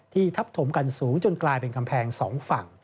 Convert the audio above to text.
ทับถมกันสูงจนกลายเป็นกำแพง๒ฝั่ง